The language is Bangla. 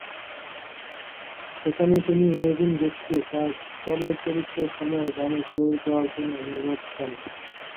সেখানে তিনি রবিন ঘোষকে তার চলচ্চিত্রসমূহের গানে সুর দেয়ার জন্য অনুরোধ জানান।